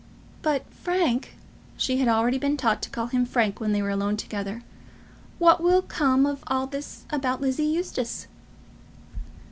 "But, Frank," she had already been taught to call him Frank when they were alone together, "what will come of all this about Lizzie Eustace?"